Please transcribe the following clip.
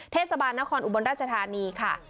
เทศบาลนครอุบลราชธานีค่ะ